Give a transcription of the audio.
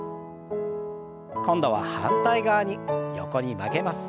今度は反対側に横に曲げます。